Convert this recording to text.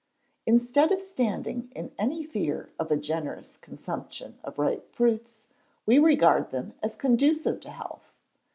Instead of standing in any fear of a generous consumption of ripe fruits, we regard them as conducive to health.